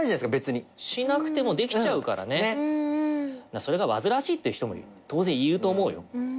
それが煩わしいって人も当然いると思うよ。